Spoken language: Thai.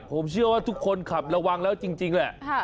ผมเชื่อว่าทุกคนขับระวังแล้วจริงแหละ